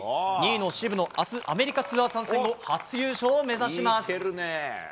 ２位の渋野、あす、アメリカツアー参戦後、初優勝を目指します。